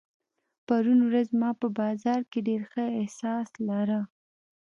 پرون ورځ ما په بازار کې ډېر ښه احساس لارۀ.